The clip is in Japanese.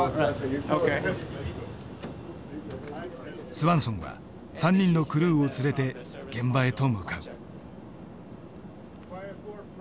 スワンソンは３人のクルーを連れて現場へと向かう。